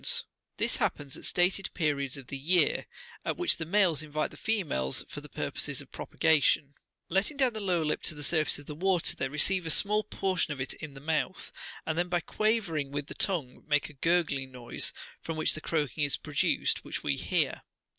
54 This happens at stated periods of the year, at which the males invite the females for the purposes of propagation : letting down the lower lip to the surface of the water, they receive a small portion of it in the mouth, and then, by quavering with the tongue, make a gur gling noise, from which the croaking is produced which we hear.